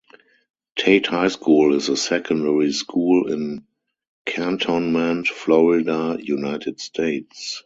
Tate High School is a secondary school in Cantonment, Florida, United States.